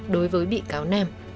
đối với bị cáo nam